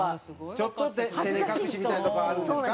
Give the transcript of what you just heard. ちょっと照れ隠しみたいなとこがあるんですか？